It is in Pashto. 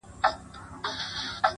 سم داسي ښكاري راته؛